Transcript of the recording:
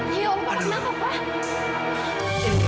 ya allah papa kenapa pa